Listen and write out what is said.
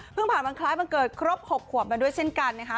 ผ่านวันคล้ายวันเกิดครบ๖ขวบมาด้วยเช่นกันนะคะ